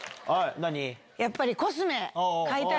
何？